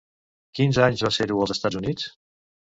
Quins anys va ser-ho als Estats Units?